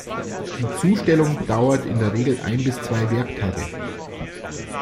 Die Zustellung dauert in der Regel ein bis zwei Werktage.